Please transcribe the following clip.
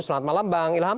selamat malam bang ilham